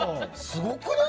すごくない？